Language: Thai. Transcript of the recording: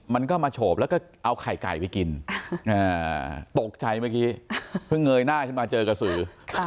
มันก็มาโฉบแล้วก็เอาไข่ไก่ไปกินตกใจเมื่อกี้เพิ่งเงยหน้าขึ้นมาเจอกระสือ